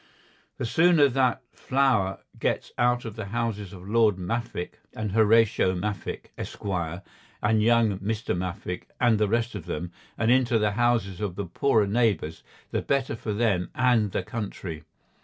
The sooner that flour gets out of the houses of Lord Maffick and Horatio Maffick, Esquire, and young Mr. Maffick and the rest of them, and into the houses of their poorer neighbours, the better for them and the country.